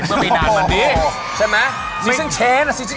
เมื่อมีนานเมื่อดี